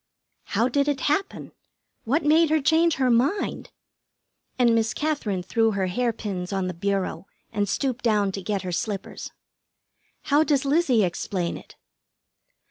'" "How did it happen? What made her change her mind?" and Miss Katherine threw her hair pins on the bureau and stooped down to get her slippers. "How does Lizzie explain it?"